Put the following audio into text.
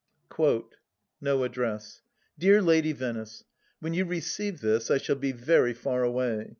{No addresB.) " Dear Lady Venice, " When you receive this I shall be very far away.